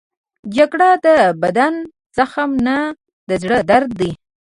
جګړه د بدن زخم نه، د زړه درد دی